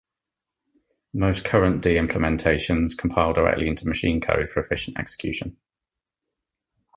Most current D implementations compile directly into machine code for efficient execution.